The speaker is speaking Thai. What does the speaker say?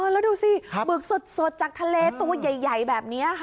แล้วดูสิหมึกสดจากทะเลตัวใหญ่แบบนี้ค่ะ